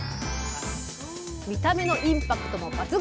見た目のインパクトも抜群！